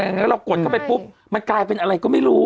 แล้วเรากดเข้าไปปุ๊บมันกลายเป็นอะไรก็ไม่รู้